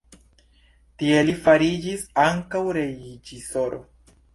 Tie li fariĝis ankaŭ reĝisoro.